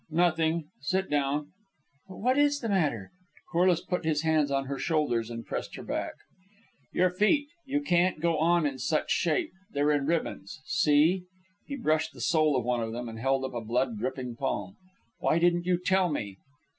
"Nothing. Sit down." "But what is the matter?" Corliss put his hands on her shoulders and pressed her back. "Your feet. You can't go on in such shape. They're in ribbons. See!" He brushed the sole of one of them and held up a blood dripping palm. "Why didn't you tell me?"